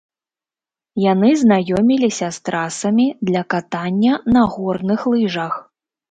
Яны знаёміліся з трасамі для катання на горных лыжах.